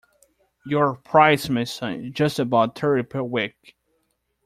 Your price, my son, is just about thirty per week.